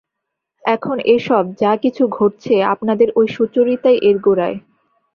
এখন এ-সব যা-কিছু ঘটছে আপনাদের ঐ সুচরিতাই এর গোড়ায়।